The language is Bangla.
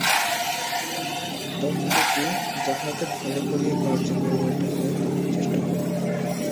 তত্ত্বটি যাহাতে ভাল করিয়া কার্যে পরিণত হয়, তাহার চেষ্টা কর।